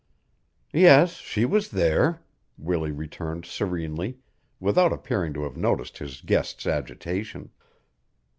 "Yes, she was there," Willie returned serenely, without appearing to have noticed his guest's agitation.